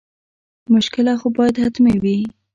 مشکله خو باید حتما وي.